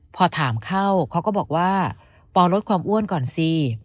พอถามเข้าเขาก็บอกว่าปอลดความอ้วนก่อนสิ